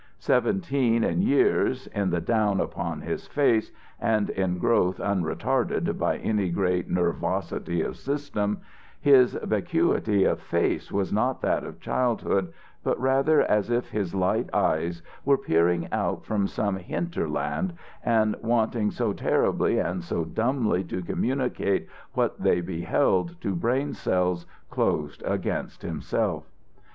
Seventeen in years, in the down upon his face, and in growth unretarded by any great nervosity of system, his vacuity of face was not that of childhood but rather as if his light eyes were peering out from some hinterland and wanting so terribly and so dumbly to communicate what they beheld to brain cells closed against himself.